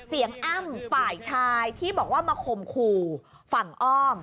เสียงอ้ำฝ่ายชายที่บอกว่ามาขมครูฝั่งอ้อม